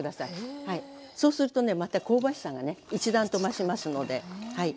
そうするとねまた香ばしさがね一段と増しますのではい。